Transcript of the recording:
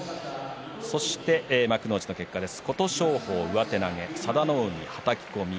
そして幕内の結果です。